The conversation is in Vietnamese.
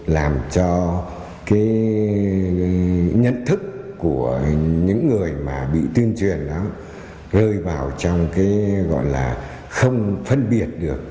làm cho cái nhận thức của những người mà bị tuyên truyền nó rơi vào trong cái gọi là không phân biệt được